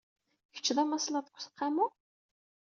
Kecc d amaslaḍ deg useqqamu?